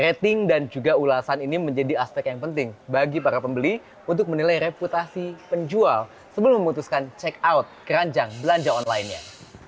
rating dan juga ulasan split ini menjadi aspek yang penting bagi para pembeli untuk menilai reputasi dan menawarkan gemang jiwaellsanya sebelum memutuskan check out keranjang belanja online